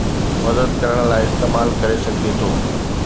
مدد ڪرڻ لاء استعمال ڪري سگهجي ٿو